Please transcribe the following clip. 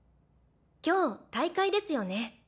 今日大会ですよね？